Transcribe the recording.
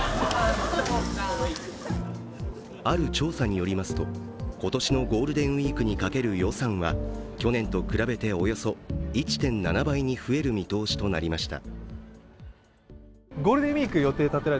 ある調査によりますと、今年のゴールデンウイークにかける予算は去年と比べておよそ１．７倍に増える見通しとなりました。